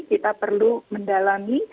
kita perlu mendalami